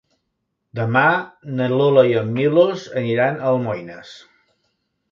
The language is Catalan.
Demà na Lola i en Milos aniran a Almoines.